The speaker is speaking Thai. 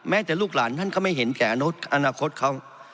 จากลูกหลานท่านก็ไม่เห็นแก่อนาคตเขา